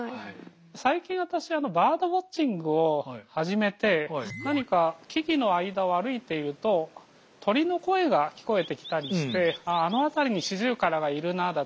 最近私はバードウォッチングを始めて何か木々の間を歩いていると鳥の声が聞こえてきたりしてあっあの辺りにシジュウカラがいるなだとか